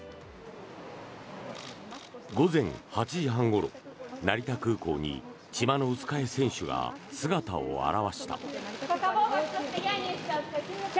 午前８時半ごろ成田空港にチマノウスカヤ選手が姿を現した。